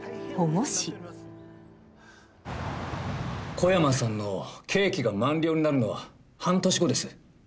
小山さんの刑期が満了になるのは半年後です。